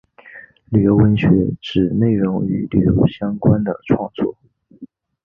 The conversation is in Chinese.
旅游文学指内容与旅游相关的创作。